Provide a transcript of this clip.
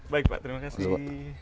baik pak terima kasih